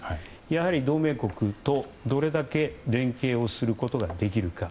やはり同盟国とどれだけ連携をすることができるか。